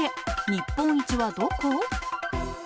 日本一はどこ？